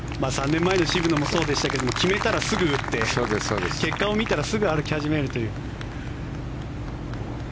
３年前の渋野もそうでしたけど決めたら、すぐ打って結果を見たらすぐ歩き始めるという。